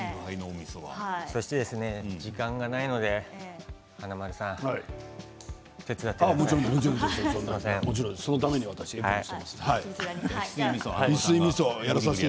そして時間がないので華丸さん、手伝ってください。